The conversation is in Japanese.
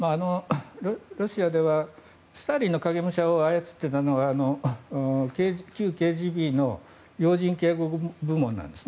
ロシアではスターリンの影武者を操っていたのは旧ＫＧＢの要人警護部門なんです。